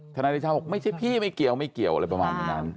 ทนายเดชาบอกไม่ใช่พี่ไม่เกี่ยวอะไรประมาณนั้น